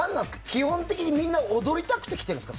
基本的にみんな踊りたくて来てるんですか？